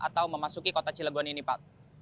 atau memasuki kota cilegon ini pak